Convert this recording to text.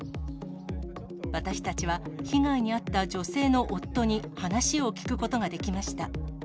私たちは被害に遭った女性の夫に話を聞くことができました。